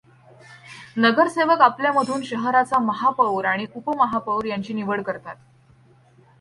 नगरसेवक आपल्यामधून शहराचा महापौर आणि उपमहापौर यांची निवड करतात.